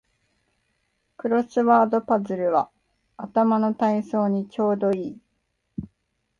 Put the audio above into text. クロスワードパズルは頭の体操にちょうどいい